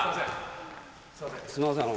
すいません。